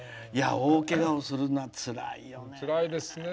大けがをするのはつらいよね。